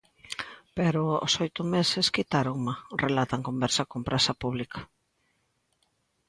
Pero "aos oito meses, quitáronma", relata en conversa con Praza Pública.